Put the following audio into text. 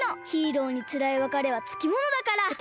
ヒーローにつらいわかれはつきものだから。